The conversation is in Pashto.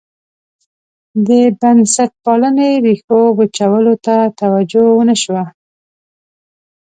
د بنسټپالنې ریښو وچولو ته توجه ونه شوه.